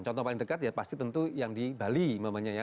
contoh paling dekat ya pasti tentu yang di bali namanya ya